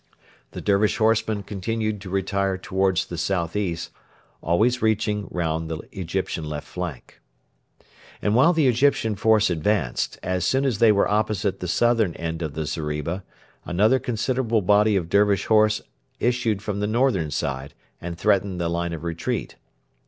The Dervish horsemen continued to retire towards the south east, always reaching round the Egyptian left flank. And while the Egyptian force advanced, as soon as they were opposite the southern end of the zeriba, another considerable body of Dervish horse issued from the northern side and threatened the line of retreat.